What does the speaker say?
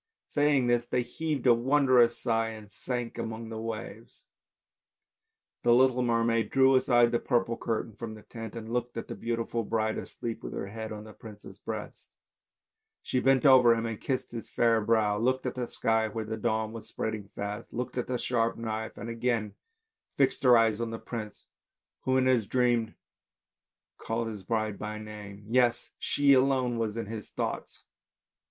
" saying this they heaved a wondrous deep sigh and sank among the waves. The little mermaid drew aside the purple curtain from the tent and looked at the beautiful bride asleep with her head on the prince's breast; she bent over him and kissed his fair brow, looked at the sky where the dawn was spreading fast; looked at the sharp knife, and again fixed her eyes on the prince who, in his dream called his bride by name, yes! she alone was in his thoughts!